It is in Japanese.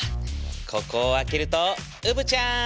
ここを開けるとうぶちゃん。